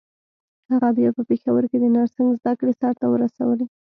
هغه بيا په پېښور کې د نرسنګ زدکړې سرته ورسولې.